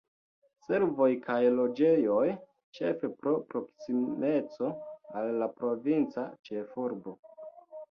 Servoj kaj loĝejoj, ĉefe pro proksimeco al la provinca ĉefurbo.